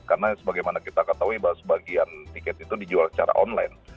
karena sebagaimana kita ketahui bahwa sebagian tiket itu dijual secara online